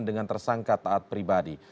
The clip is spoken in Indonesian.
dengan tersangka taat pribadi